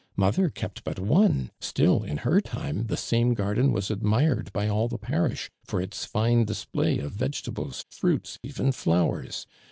Mother kept but ono, still, u\ her time, the same garden was admired by all the parish for its fine display of vege tai)los, fruits, even flowers.